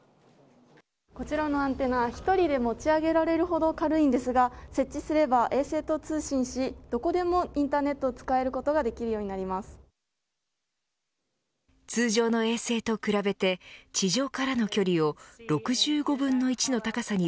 こちらのアンテナ、１人で持ち上げられるほど軽いんですが設置すれば衛星と通信しどこでもインターネットを使えることが通常の衛星と比べて地上からの距離を６５分の１の高さに